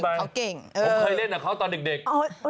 ผมเคยเล่นกับเขาตอนเด็ก